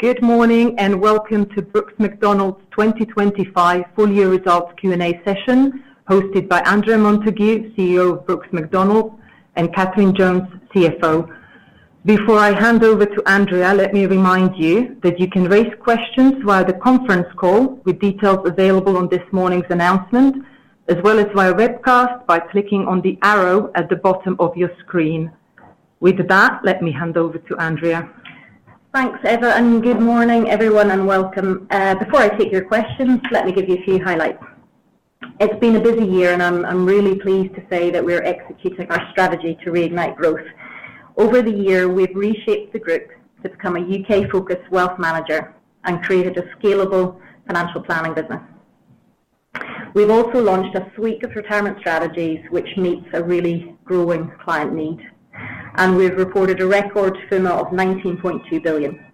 Good morning, and welcome to Brooks Macdonald's 2025 Full Year Results Q&A session, hosted by Andrea Montague, CEO of Brooks Macdonald, and Katherine Jones, CFO. Before I hand over to Andrea, let me remind you that you can raise questions via the conference call, with details available on this morning's announcement, as well as via webcast by clicking on the arrow at the bottom of your screen. With that, let me hand over to Andrea. Thanks, Eva, and good morning, everyone, and welcome. Before I take your questions, let me give you a few highlights. It's been a busy year, and I'm really pleased to say that we're executing our strategy to reignite growth. Over the year, we've reshaped the group to become a U.K.-focused wealth manager and created a scalable financial planning business. We've also launched a suite of retirement strategies, which meets a really growing client need, and we've reported a record FUMA of 19.2 billion.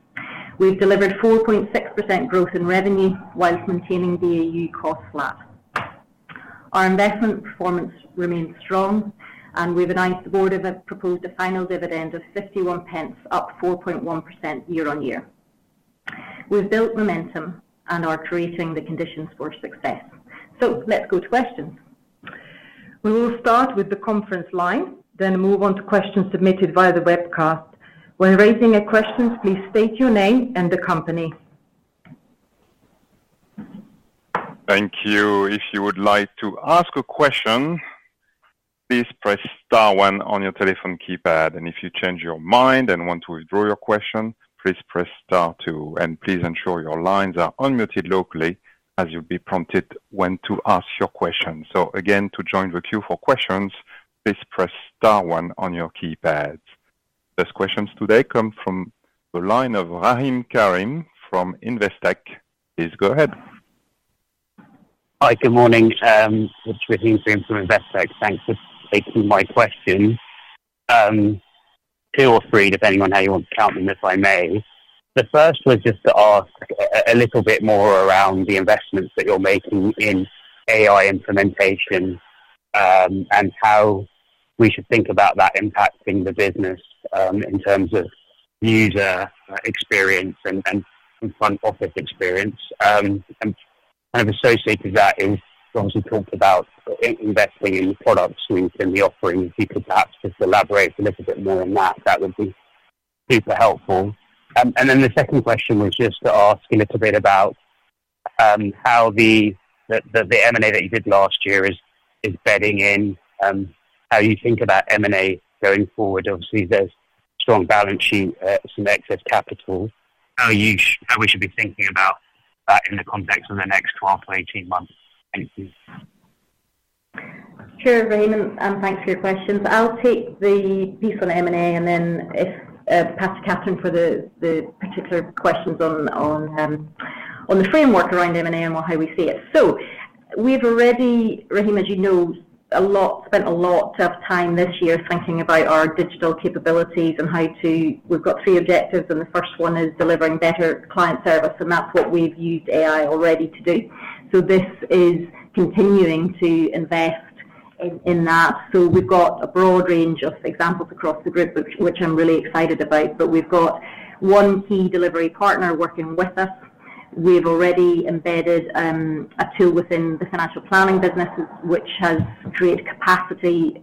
We've delivered 4.6% growth in revenue whilst maintaining the AUA cost flat. Our investment performance remains strong, and we've advised the Board have proposed a final dividend of 51 pence, up 4.1% year on year. We've built momentum and are creating the conditions for success. So let's go to questions. We will start with the conference line, then move on to questions submitted via the webcast. When raising a question, please state your name and the company. Thank you. If you would like to ask a question, please press star one on your telephone keypad, and if you change your mind and want to withdraw your question, please press star two, and please ensure your lines are unmuted locally as you'll be prompted when to ask your question. So again, to join the queue for questions, please press star one on your keypads. First questions today come from the line of Rahim Karim from Investec. Please go ahead. Hi. Good morning, it's Rahim Karim from Investec. Thanks for taking my question. Two or three, depending on how you want to count them, if I may. The first was just to ask a little bit more around the investments that you're making in AI implementation, and how we should think about that impacting the business, in terms of user experience and front office experience. And kind of associated to that is, you also talked about investing in products within the offering. If you could perhaps just elaborate a little bit more on that, that would be super helpful. And then the second question was just to ask a little bit about how the M&A that you did last year is bedding in, how you think about M&A going forward. Obviously, there's strong balance sheet, some excess capital. How we should be thinking about that in the context of the next twelve to eighteen months? Thank you. Sure, Rahim, and thanks for your questions. I'll take the piece on M&A and then pass to Katherine for the particular questions on the framework around M&A and how we see it. So we've already, Rahim, as you know, spent a lot of time this year thinking about our digital capabilities and how to. We've got three objectives, and the first one is delivering better client service, and that's what we've used AI already to do. So this is continuing to invest in that. So we've got a broad range of examples across the group, which I'm really excited about, but we've got one key delivery partner working with us. We've already embedded a tool within the financial planning business, which has created capacity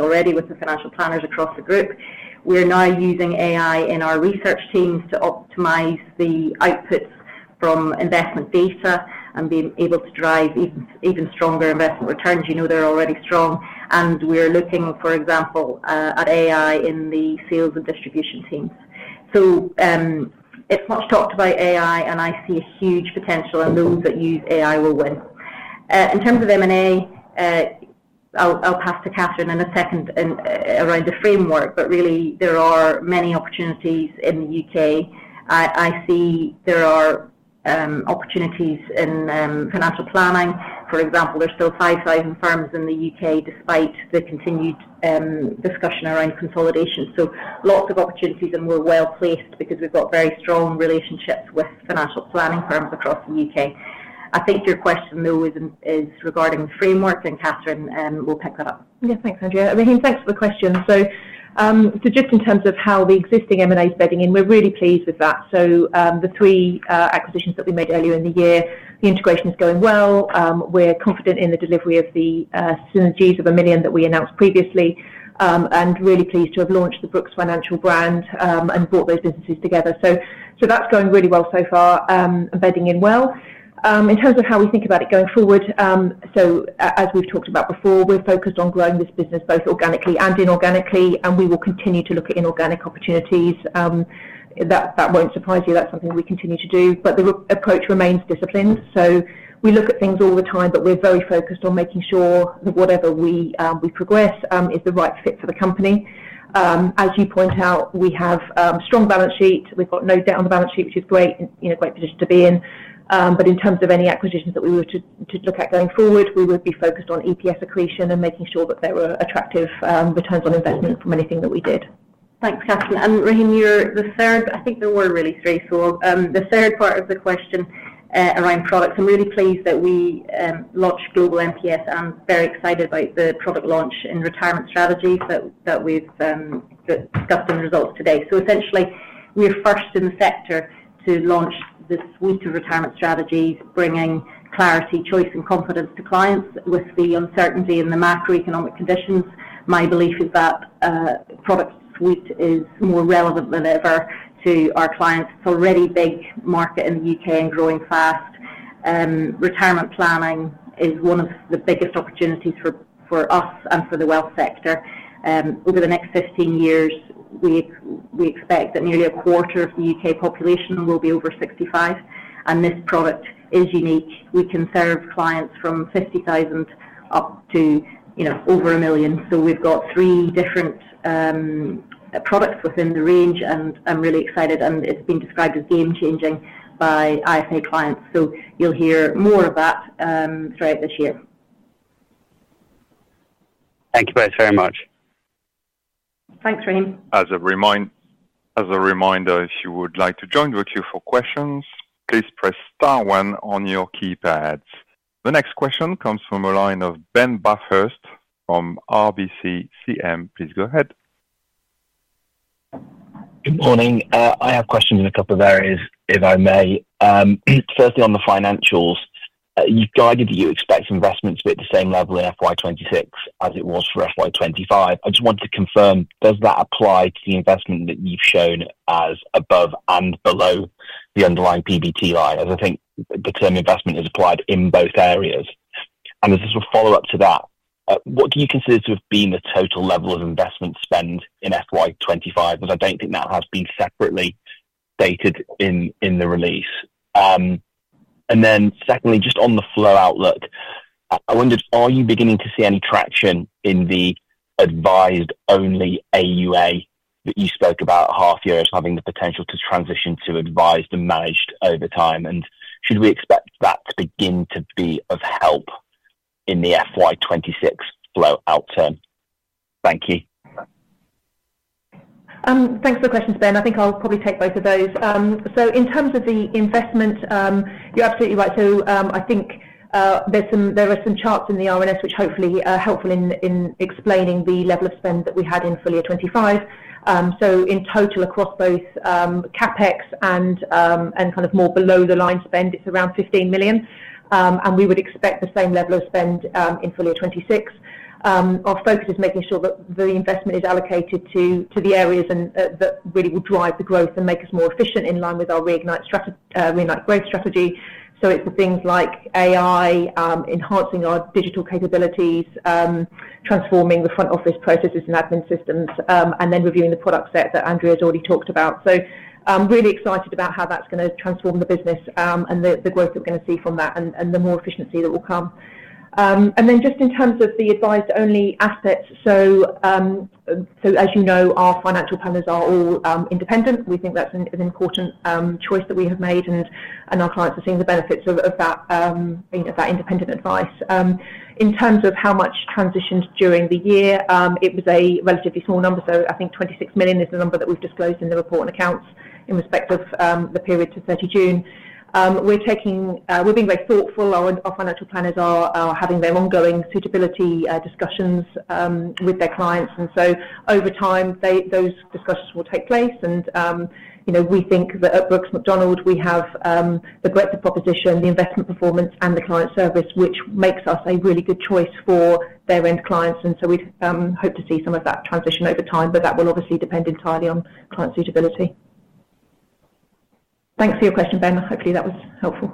already with the financial planners across the group. We're now using AI in our research teams to optimize the outputs from investment data and being able to drive even stronger investment returns. You know, they're already strong, and we're looking, for example, at AI in the sales and distribution teams. So, it's much talked about AI, and I see a huge potential, and those that use AI will win. In terms of M&A, I'll pass to Katherine in a second and, around the framework, but really there are many opportunities in the U.K. I see there are opportunities in financial planning. For example, there's still five thousand firms in the U.K., despite the continued discussion around consolidation. So lots of opportunities, and we're well-placed because we've got very strong relationships with financial planning firms across the U.K. I think your question, though, is regarding framework, and Katherine will pick that up. Yes, thanks, Andrea. Rahim, thanks for the question. So, so just in terms of how the existing M&A is bedding in, we're really pleased with that. So, the three acquisitions that we made earlier in the year, the integration is going well. We're confident in the delivery of the synergies of 1 million that we announced previously, and really pleased to have launched the Brooks Financial brand, and brought those businesses together. So, that's going really well so far, and bedding in well. In terms of how we think about it going forward, so as we've talked about before, we're focused on growing this business both organically and inorganically, and we will continue to look at inorganic opportunities. That won't surprise you. That's something we continue to do. But the approach remains disciplined. So we look at things all the time, but we're very focused on making sure that whatever we progress is the right fit for the company. As you point out, we have strong balance sheet. We've got no debt on the balance sheet, which is great, you know, great position to be in. But in terms of any acquisitions that we were to look at going forward, we would be focused on EPS accretion and making sure that there were attractive returns on investment from anything that we did. Thanks, Katherine and Rahim, you're the third. I think there were really three, so the third part of the question around products. I'm really pleased that we launched Global MPS. I'm very excited about the product launch and retirement strategies that we've discussed in the results today, so essentially, we're first in the sector to launch this suite of retirement strategies, bringing clarity, choice, and confidence to clients with the uncertainty in the macroeconomic conditions. My belief is that product suite is more relevant than ever to our clients. It's already a big market in the U.K. and growing fast. Retirement planning is one of the biggest opportunities for us and for the wealth sector. Over the next fifteen years, we expect that nearly a quarter of the U.K. population will be over sixty-five, and this product is unique. We can serve clients from fifty thousand up to, you know, over a million. So we've got three different products within the range, and I'm really excited, and it's been described as game-changing by IFA clients. So you'll hear more of that throughout this year. Thank you both very much. Thanks, Rahim. As a reminder, if you would like to join the queue for questions, please press star one on your keypads. The next question comes from the line of Ben Bathurst from RBC CM. Please go ahead. Good morning. I have questions in a couple of areas, if I may. Firstly, on the financials, you've guided that you expect investments to be at the same level in FY 2026 as it was for FY 2025 I just wanted to confirm, does that apply to the investment that you've shown as above and below the underlying PBT line? As I think the term investment is applied in both areas. And as a follow-up to that, what do you consider to have been the total level of investment spend in FY 2025? Because I don't think that has been separately stated in the release. And then secondly, just on the flow outlook, I wondered, are you beginning to see any traction in the advised-only AUA that you spoke about half year as having the potential to transition to advised and managed over time? And should we expect that to begin to be of help in the FY 2026 flow outturn? Thank you. Thanks for the questions, Ben. I think I'll probably take both of those. So in terms of the investment, you're absolutely right. So, I think, there are some charts in the RNS, which hopefully are helpful in explaining the level of spend that we had in full year 2025. So in total, across both, CapEx and kind of more below the line spend, it's around 15 million. And we would expect the same level of spend in full year 2026. Our focus is making sure that the investment is allocated to the areas and that really will drive the growth and make us more efficient in line with our Reignite strategy, Reignite Growth strategy. So it's the things like AI, enhancing our digital capabilities, transforming the front office processes and admin systems, and then reviewing the product set that Andrea has already talked about. So I'm really excited about how that's gonna transform the business, and the growth we're gonna see from that and the more efficiency that will come. And then just in terms of the advised only assets, so as you know, our financial planners are all independent. We think that's an important choice that we have made, and our clients are seeing the benefits of that, you know, that independent advice. In terms of how much transitioned during the year, it was a relatively small number, so I thinkg 26 million is the number that we've disclosed in the report and accounts in respect of the period to 30 June. We're being very thoughtful. Our financial planners are having their ongoing suitability discussions with their clients, and so over time, those discussions will take place. You know, we think that at Brooks Macdonald, we have the greater proposition, the investment performance, and the client service, which makes us a really good choice for their end clients, and so we hope to see some of that transition over time, but that will obviously depend entirely on client suitability. Thanks for your question, Ben. Hopefully, that was helpful.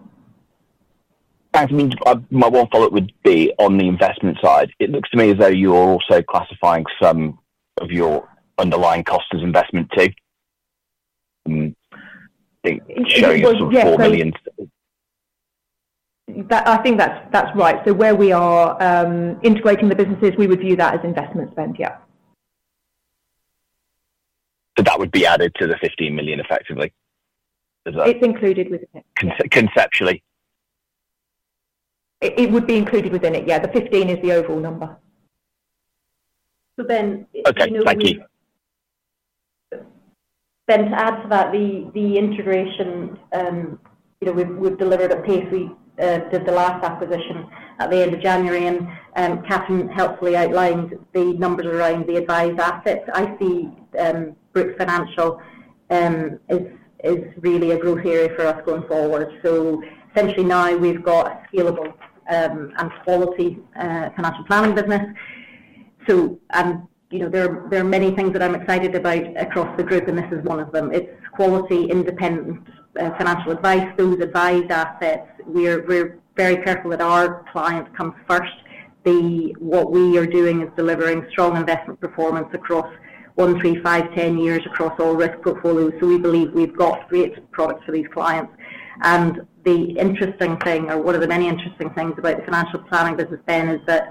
Thanks. I mean, my one follow-up would be on the investment side. It looks to me as though you're also classifying some of your underlying cost as investment, too. It shows you sort of 4 million. That, I think that's right. So where we are integrating the businesses, we would view that as investment spend, yeah. So that would be added to the fifteen million, effectively? Is that- It's included within it. Conce-conceptually. It would be included within it, yeah. The fifteen is the overall number. So, Ben, you know- Okay, thank you. Ben, to add to that, the integration, you know, we've delivered a pace. We did the last acquisition at the end of January, and Katherine helpfully outlined the numbers around the advised assets. I see Brooks Financial is really a growth area for us going forward. So essentially now, we've got a scalable and quality financial planning business. So, and you know, there are many things that I'm excited about across the group, and this is one of them. It's quality, independent financial advice. Those advised assets, we're very careful that our clients come first. What we are doing is delivering strong investment performance across one, three, five, ten years across all risk portfolios. So we believe we've got great products for these clients. The interesting thing, or one of the many interesting things about the financial planning business, Ben, is that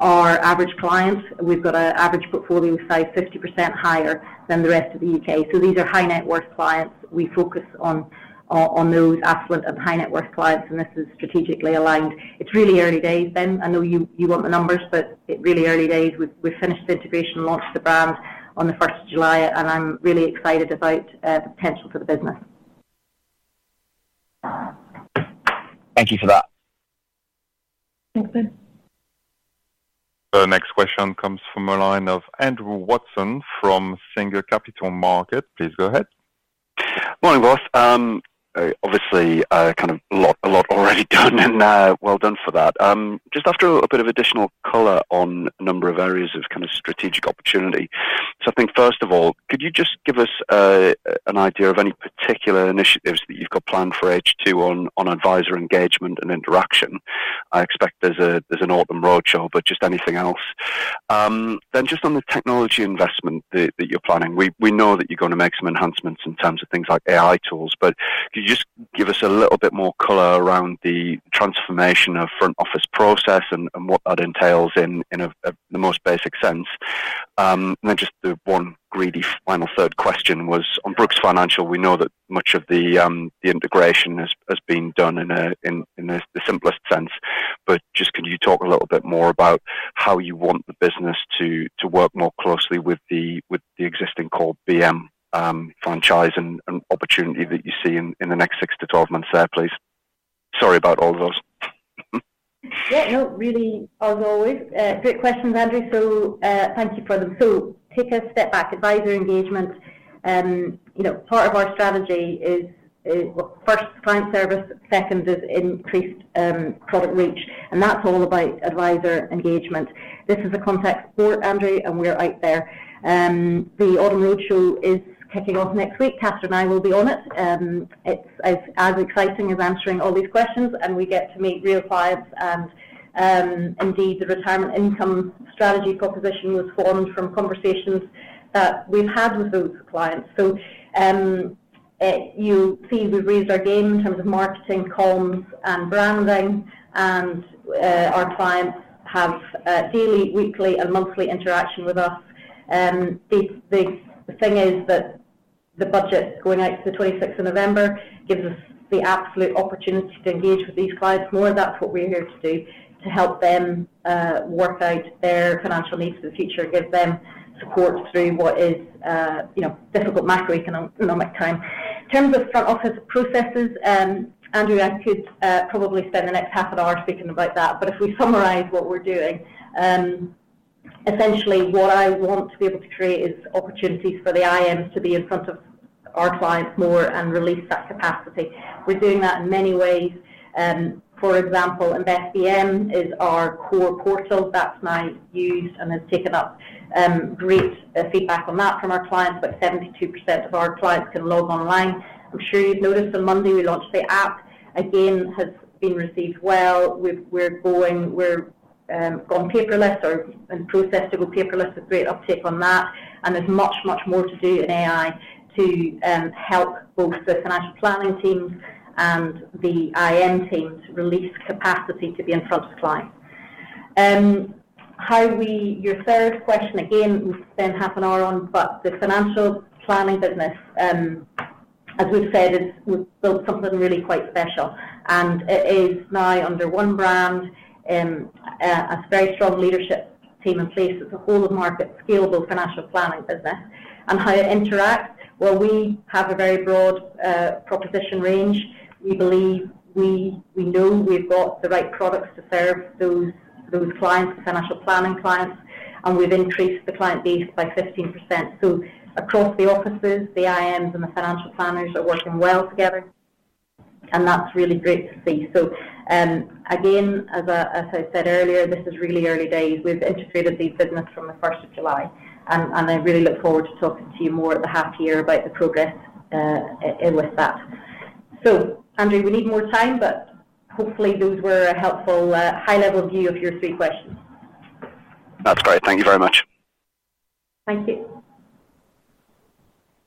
our average clients, we've got an average portfolio size 50% higher than the rest of the U.K. So these are high-net-worth clients. We focus on those affluent and high-net-worth clients, and this is strategically aligned. It's really early days, Ben. I know you want the numbers, but it's really early days. We've finished the integration and launched the brand on the first of July, and I'm really excited about the potential for the business. Thank you for that. Thank you. The next question comes from the line of Andrew Watson from Singer Capital Markets. Please go ahead. Morning, boss. Obviously, kind of a lot already done, and well done for that. Just after a bit of additional color on a number of areas of kind of strategic opportunity. So I think, first of all, could you just give us an idea of any particular initiatives that you've got planned for H2 on adviser engagement and interaction? I expect there's an Autumn roadshow, but just anything else. Then just on the technology investment that you're planning, we know that you're gonna make some enhancements in terms of things like AI tools, but could you just give us a little bit more color around the transformation of front office process and what that entails in the most basic sense? And then just the one quick final third question was on Brooks Financial. We know that much of the integration has been done in the simplest sense, but just could you talk a little bit more about how you want the business to work more closely with the existing core BM franchise and opportunity that you see in the next six to 12 months there, please? Sorry about all of those. Yeah, no, really, as always, great questions, Andrew, so, thank you for them. So take a step back. Adviser engagement, you know, part of our strategy is, well, first, client service, second is increased, product reach, and that's all about Adviser engagement. This is a complex sport, Andrew, and we're out there. The Autumn Roadshow is kicking off next week. Katherine and I will be on it. It's as exciting as answering all these questions, and we get to meet real clients and, indeed, the retirement income strategy proposition was formed from conversations that we've had with those clients. So, you'll see we've raised our game in terms of marketing, comms, and branding, and, our clients have, daily, weekly, and monthly interaction with us. The thing is that the budget going out to the 26th of November gives us the absolute opportunity to engage with these clients more. That's what we're here to do, to help them work out their financial needs for the future, give them support through what is, you know, difficult macroeconomic time. In terms of front office processes, Andrew, I could probably spend the next half an hour speaking about that, but if we summarize what we're doing, essentially, what I want to be able to create is opportunities for the IMs to be in front of our clients more and release that capacity. We're doing that in many ways. For example, InvestBM is our core portal. That's now used and has taken up great feedback on that from our clients, but 72% of our clients can log online. I'm sure you've noticed on Monday, we launched the app. Again, has been received well. We've gone paperless or in process to go paperless with great uptake on that, and there's much, much more to do in AI to help both the financial planning teams and the IM teams release capacity to be in front of clients. Your third question, again, we'll spend half an hour on, but the financial planning business, as we've said, is we've built something really quite special, and it is now under one brand, a very strong leadership team in place. It's a whole of market scalable financial planning business. How it interacts. Well, we have a very broad proposition range. We believe we know we've got the right products to serve those clients, financial planning clients, and we've increased the client base by 15%. Across the offices, the IMs and the financial planners are working well together, and that's really great to see. Again, as I said earlier, this is really early days. We've integrated the business from the 1st of July, and I really look forward to talking to you more at the half year about the progress with that. Andrew, we need more time, but hopefully, those were a helpful high-level view of your three questions. That's great. Thank you very much. Thank you.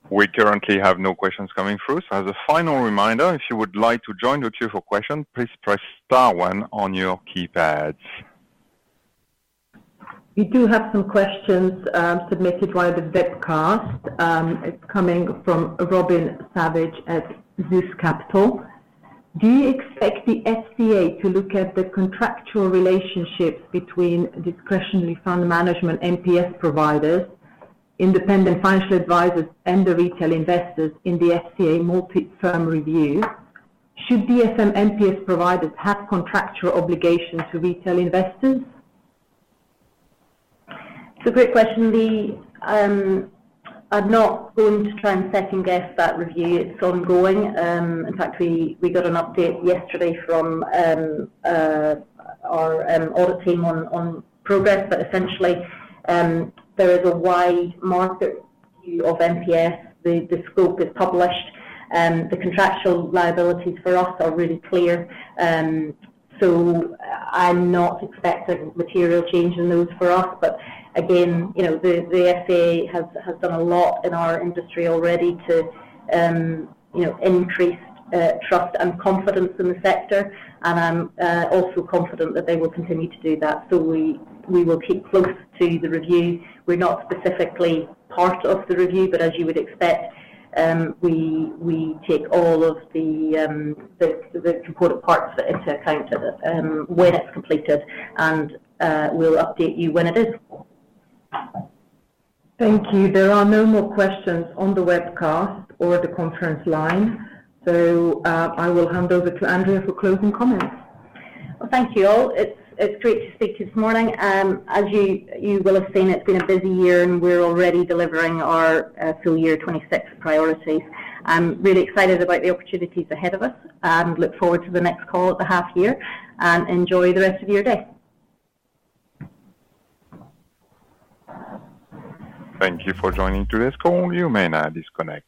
We currently have no questions coming through, so as a final reminder, if you would like to join the queue for question, please press star one on your keypads. We do have some questions, submitted via the webcast. It's coming from Robin Savage at Zeus Capital. Do you expect the FCA to look at the contractual relationships between discretionary fund management MPS providers, independent financial advisers, and the retail investors in the FCA multi-firm review? Should DFM MPS providers have contractual obligations to retail investors? It's a great question. I'm not going to try and second-guess that review. It's ongoing. In fact, we got an update yesterday from our audit team on progress, but essentially, there is a wide market view of MPS. The scope is published, the contractual liabilities for us are really clear. So I'm not expecting material change in those for us. But again, you know, the FCA has done a lot in our industry already to you know, increase trust and confidence in the sector, and I'm also confident that they will continue to do that. So we will keep close to the review. We're not specifically part of the review, but as you would expect, we take all of the important parts into account when it's completed, and we'll update you when it is. Thank you. There are no more questions on the webcast or the conference line, so, I will hand over to Andrea for closing comments. Thank you, all. It's great to speak this morning. As you will have seen, it's been a busy year, and we're already delivering our full year 2026 priorities. I'm really excited about the opportunities ahead of us and look forward to the next call at the half year, and enjoy the rest of your day. Thank you for joining today's call. You may now disconnect.